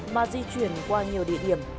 mà di chuyển qua nhiều địa điểm